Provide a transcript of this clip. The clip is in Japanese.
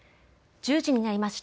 １０時になりました。